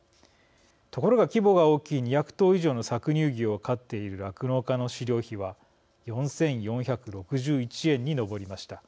ところが規模が大きい２００頭以上の搾乳牛を飼っている酪農家の飼料費は４４６１円に上りました。